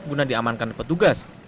guna diamankan petugas